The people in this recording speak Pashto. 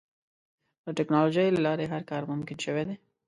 د ټکنالوجۍ له لارې هر کار ممکن شوی دی.